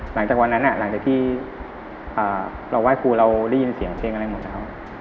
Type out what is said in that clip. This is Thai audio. หลังจากนั้นหลังจากที่เราไหว้ครูเราได้ยินเสียงเพลงอะไรหมดแล้ว